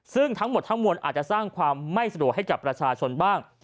ซึ่งทั้งหมดทั้งมวลอาจจะสร้างความไม่สะดวกให้กับประชาชนบ้าง